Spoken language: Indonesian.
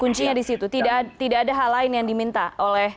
kuncinya di situ tidak ada hal lain yang diminta oleh